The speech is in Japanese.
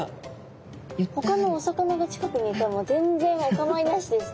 ほかのお魚が近くにいても全然お構いなしですね。